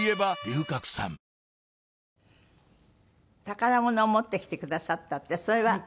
宝物を持ってきてくださったってそれは。